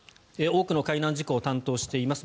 多くの海難事故を担当しています